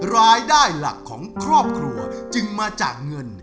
รายได้หลักของครอบครัวจึงมาจากเงิน